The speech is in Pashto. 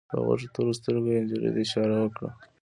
په غټو تورو سترګو يې نجلۍ ته اشاره وکړه.